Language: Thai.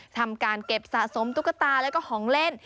ทำการเก็บสะสมตุ๊กตาแล้วก็ของเล่น